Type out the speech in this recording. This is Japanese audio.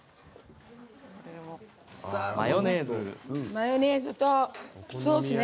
マヨネーズとソースね。